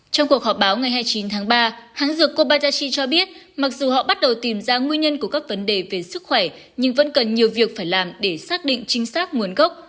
trong cuộc họp báo ngày hai mươi chín tháng ba hãng dược kobadashi cho biết mặc dù họ bắt đầu tìm ra nguyên nhân của các vấn đề về sức khỏe nhưng vẫn cần nhiều việc phải làm để xác định chính xác nguồn gốc